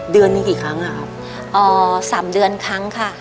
เดือนนี้กี่ครั้งค่ะอ๋อสามเดือนครั้งค่ะ